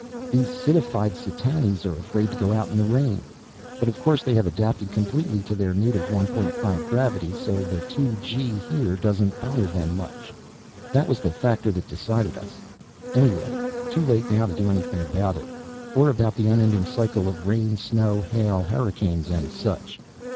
_ _These citified Setanians are afraid to go out in the rain. But of course they have adapted completely to their native 1.5 gravity so the two gee here doesn't bother them much. That was the factor that decided us. Anyway too late now to do anything about it. Or about the unending cycle of rain, snow, hail, hurricanes and such.